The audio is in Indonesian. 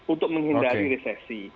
untuk menghindari resesi